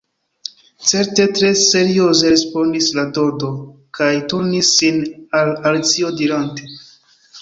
“Certe,” tre serioze respondis la Dodo, kaj turnis sin al Alicio dirante: